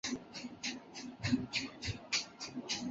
自由对流云通常在的高度形成。